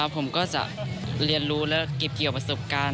ผมก็จะเรียนรู้และเก็บเกี่ยวประสบการณ์